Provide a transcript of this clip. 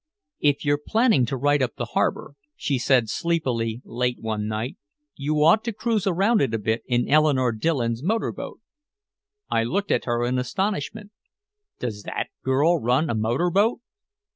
"If you're planning to write up the harbor," she said sleepily late one night, "you ought to cruise around a bit in Eleanore Dillon's motor boat." I looked at her in astonishment. "Does that girl run a motor boat?"